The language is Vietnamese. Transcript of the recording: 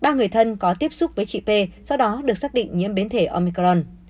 ba người thân có tiếp xúc với chị p sau đó được xác định nhiễm biến thể omicron